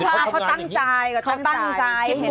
เขาตั้งจ่าย